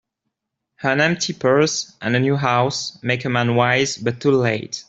An empty purse, and a new house, make a man wise, but too late.